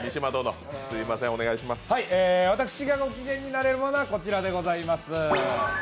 私がごきげんになれるものはこちらでごす。